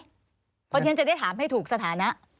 เพราะฉะนั้นจะได้ถามให้ถูกสถานะ